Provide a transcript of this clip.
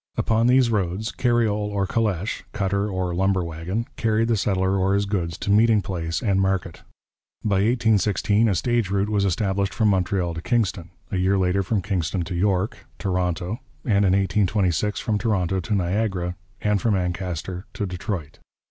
Upon these roads carriole or calèche, 'cutter' or 'lumber wagon,' carried the settler or his goods to meeting place and market. By 1816 a stage route was established from Montreal to Kingston, a year later from Kingston to York (Toronto), and in 1826 from Toronto to Niagara and from Ancaster to Detroit.